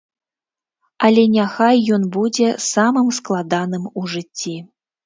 Але няхай ён будзе самым складаным у жыцці.